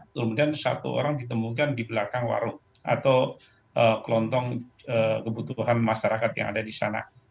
kemudian satu orang ditemukan di belakang warung atau kelontong kebutuhan masyarakat yang ada di sana